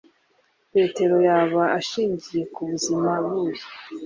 Petero yaba ashingiye kubuzima buhe